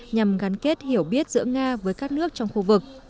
nhằm gắn kết hiểu biết giữa nga với các nước trong khu vực